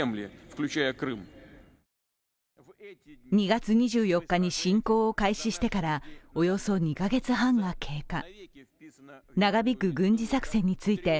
２月２４日に侵攻を開始してからおよそ２カ月半が経過。